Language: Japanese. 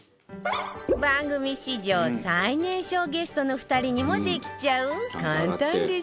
番組史上最年少ゲストの２人にもできちゃう簡単レシピよ